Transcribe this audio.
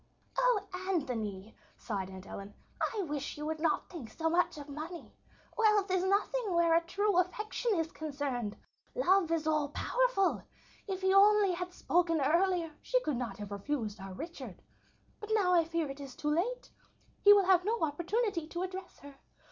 "Oh, Anthony," sighed Aunt Ellen, "I wish you would not think so much of money. Wealth is nothing where a true affection is concerned. Love is all powerful. If he only had spoken earlier! She could not have refused our Richard. But now I fear it is too late. He will have no opportunity to address her.